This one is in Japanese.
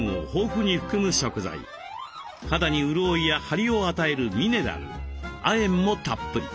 肌に潤いや張りを与えるミネラル亜鉛もたっぷり。